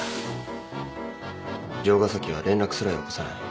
城ヶ崎は連絡すらよこさない。